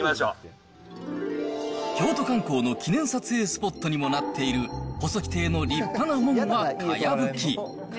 京都観光の記念撮影スポットにもなっている、細木邸の立派な門はかやぶき。